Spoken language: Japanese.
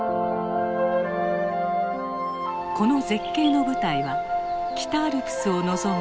この絶景の舞台は北アルプスを望む